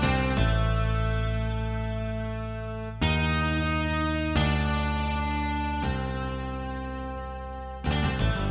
terima kasih alan